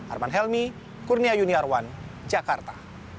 arman helmi kurnia yuniarwan jakarta